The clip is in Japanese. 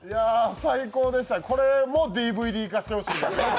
最高でした、これもＤＶＤ化してほしい。